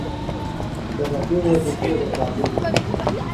سبقی وے بیۡ بِیڈوۡ قابل دےۡ۔